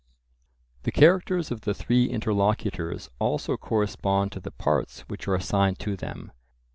The characters of the three interlocutors also correspond to the parts which are assigned to them.